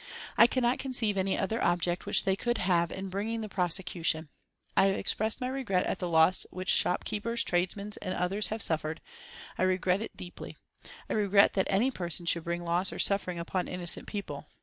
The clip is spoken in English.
I cannot conceive any other object which they could have in bringing the prosecution. I have expressed my regret at the loss which the shopkeepers, tradesmen and others have suffered. I regret it deeply. I regret that any person should bring loss or suffering upon innocent people.